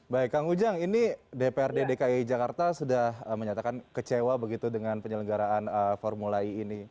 baik kang ujang ini dprd dki jakarta sudah menyatakan kecewa begitu dengan penyelenggaraan formula e ini